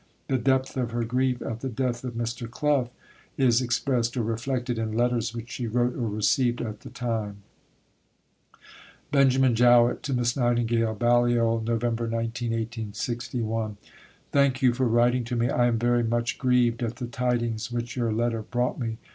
The depth of her grief at the death of Mr. Clough is expressed or reflected in letters which she wrote or received at the time: (Benjamin Jowett to Miss Nightingale.) BALLIOL, Nov. 19 . Thank you for writing to me. I am very much grieved at the tidings which your letter brought me.